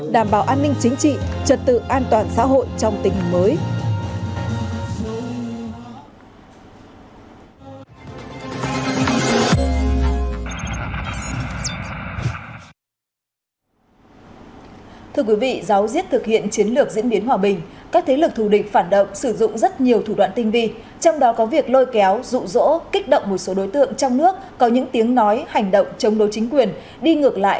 đảm bảo an ninh chính trị trật tự an toàn xã hội trong tình hình mới